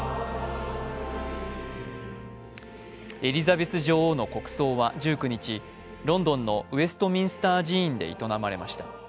エリザベス女王の国葬は１９日、ロンドンのウェストミンスター寺院で営まれました。